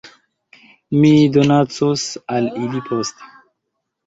Mi donacos al ili poste